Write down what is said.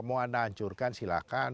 mau anda hancurkan silahkan